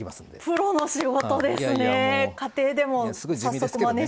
プロの仕事ですね！